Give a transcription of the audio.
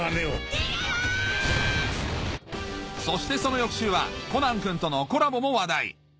逃げろ‼そしてその翌週はコナンくんとのコラボも話題